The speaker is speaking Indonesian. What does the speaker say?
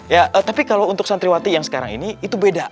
ya tapi kalau untuk santriwati yang sekarang ini itu beda